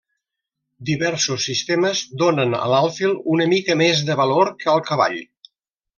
Diversos sistemes donen a l'alfil una mica més de valor que al cavall.